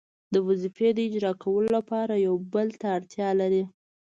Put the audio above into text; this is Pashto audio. د وظیفې د اجرا کولو لپاره یو بل ته اړتیا لري.